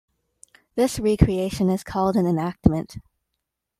This re-creation is called an enactment.